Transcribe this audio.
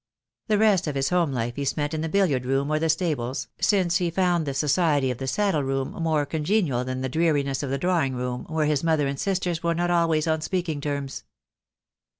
The rest of his home life he spent in the billiard room or the stables, since he found the society of the saddle room more congenial than the dreariness of the drawing room, where his mother and sisters were not always on speaking terms.